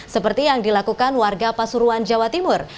seperti yang dilakukan warga pasuruan jawa timur